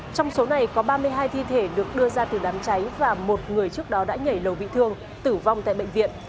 trong số này có ba mươi hai thi thể được đưa ra từ đám cháy và một người trước đó đã nhảy lầu bị thương tử vong tại bệnh viện